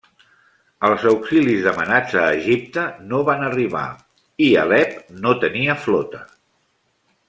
Els auxilis demanats a Egipte no van arribar, i Alep no tenia flota.